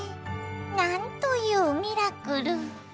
なんというミラクル！